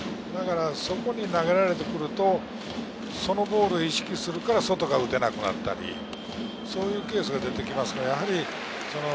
そこに投げられると、そのボールを意識するから外が打てなくなったり、そういうケースが出てきますから。